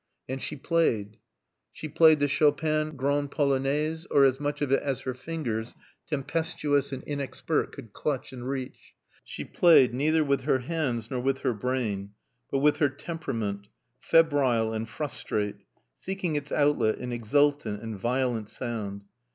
And she played. She played the Chopin Grande Polonaise, or as much of it as her fingers, tempestuous and inexpert, could clutch and reach. She played, neither with her hands nor with her brain, but with her temperament, febrile and frustrate, seeking its outlet in exultant and violent sound.